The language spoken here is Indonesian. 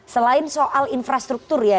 selain soal infrastruktur ya